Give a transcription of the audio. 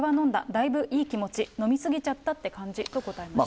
だいぶいい気持ち、飲み過ぎちゃったって感じと答えました。